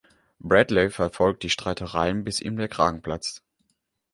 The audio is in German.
Bradley verfolgt die Streitereien, bis ihm der Kragen platzt.